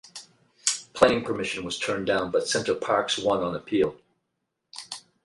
Planning permission was turned down but Center Parcs won on appeal.